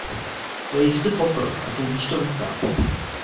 To je jistě pokrok, a tudíž to vítám.